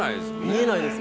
見えないです。